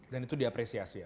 dan itu diapresiasi ya